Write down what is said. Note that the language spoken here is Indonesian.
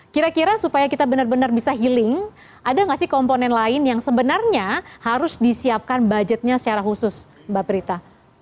kira kira supaya kita benar benar bisa healing ada nggak sih komponen lain yang sebenarnya harus disiapkan budgetnya secara khusus mbak prita